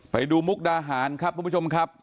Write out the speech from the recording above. ไปดูมุกดาหารครับคุณผู้ชมครับ